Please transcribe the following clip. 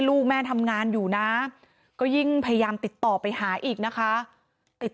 ลูกแม่ทำงานอยู่นะก็ยิ่งพยายามติดต่อไปหาอีกนะคะติด